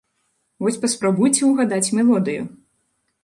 Вось паспрабуйце угадаць мелодыю.